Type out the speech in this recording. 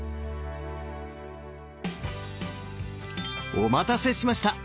お待たせしました！